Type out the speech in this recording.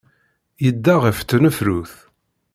Yedda ɣer tnefrut.